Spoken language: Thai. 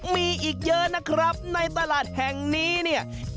มีอีกเยอะนะครับในตลาดแห่งนี้เนี่ย